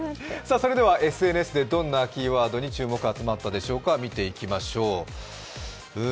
ＳＮＳでどんなキーワードに注目が集まったでしょうか見ていきましょうる